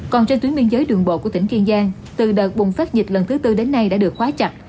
còn trên tuyến biên giới đường bộ của tỉnh kiên giang từ đợt bùng phát dịch lần thứ tư đến nay đã được khóa chặt